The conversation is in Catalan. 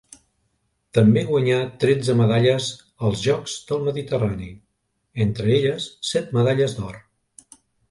També guanyà tretze medalles als Jocs del Mediterrani, entre elles set medalles d'or.